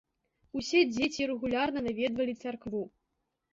Усе дзеці рэгулярна наведвалі царкву.